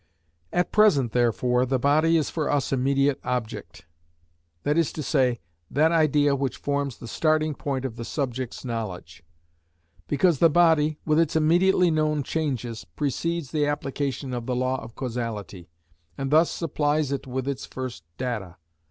At present therefore the body is for us immediate object; that is to say, that idea which forms the starting point of the subject's knowledge; because the body, with its immediately known changes, precedes the application of the law of causality, and thus supplies it with its first data.